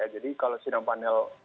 jadi kalau sidang panel